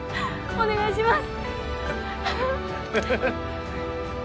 お願いします